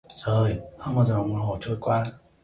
Rồi hơn một giờ đồng hồ trôi qua